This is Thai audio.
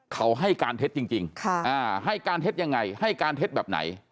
เขาให้การเท็จจริงให้การเท็จยังไงให้การเท็จแบบไหน